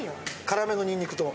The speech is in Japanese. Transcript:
辛めのにんにくと。